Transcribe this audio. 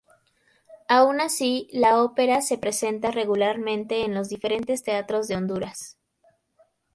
Aun así, la Ópera se presenta regularmente en los diferentes teatros de Honduras.